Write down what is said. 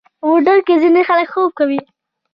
موټر کې ځینې خلک خوب کوي.